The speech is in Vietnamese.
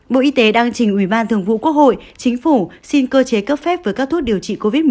bộ y tế đang trình ủy ban thường vụ quốc hội chính phủ xin cơ chế cấp phép với các thuốc điều trị covid một mươi chín